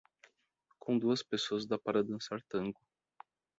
Com duas pessoas dá para dançar tango.